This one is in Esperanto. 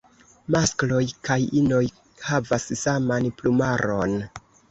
Maskloj kaj inoj havas saman plumaron.